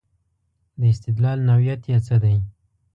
د استدلال نوعیت یې څه دی.